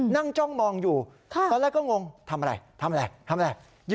นั่งจ้องมองอยู่ตอนแรกก็งงทำอะไรทำอะไรทำอะไร